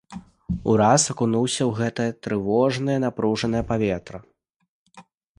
Ураз акунуўся ў гэта трывожнае напружанае паветра.